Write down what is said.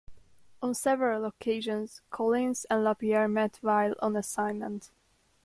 On several occasions, Collins and Lapierre met while on assignment.